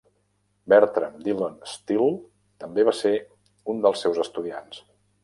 Bertram Dillon Steele també va ser un dels seus estudiants.